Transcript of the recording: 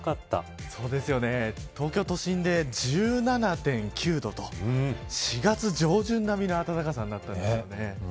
東京都心で１７．９度と４月上旬並みの暖かさになったんですよね。